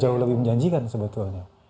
jauh lebih menjanjikan sebetulnya